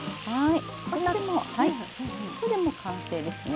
これでもう完成ですね。